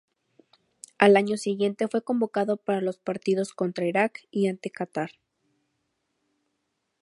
Al año siguiente fue convocado para los partidos contra Irak y ante Qatar.